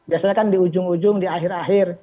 biasanya kan di ujung ujung di akhir akhir